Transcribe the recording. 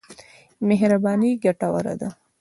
مهرباني ګټوره ده.